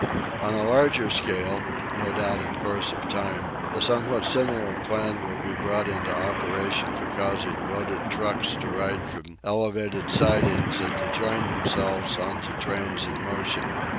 On a larger scale, no doubt in course of time, a somewhat similar plan will be brought into operation for causing loaded trucks to run from elevated sidings and to join themselves on to trains in motion.